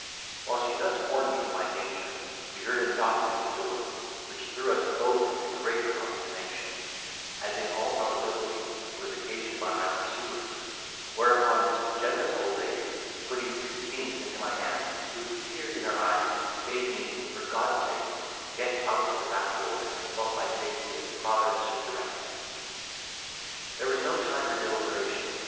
While she thus warned me of my danger, we heard a knocking at the door, which threw us both into great consternation, as in all probability, it was occasioned by my pursuers; whereupon this generous old lady, putting two guineas into my hand, with tears in her eyes, bade me, for God's sake, get out at the back door and consult my safety as Providence should direct me. There was no time for deliberation.